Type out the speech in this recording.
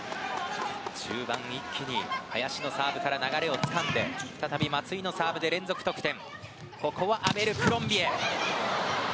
中盤、一気に林のサーブから流れをつかんで再び松井のサーブで連続得点。